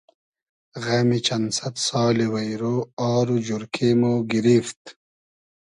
غئمی چئن سئد سالی وݷرۉ آر و جورکې مۉ گیریفت